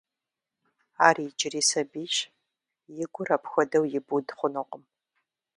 Ар иджыри сабийщ, и гур апхуэдэу ибуд хъунукъым.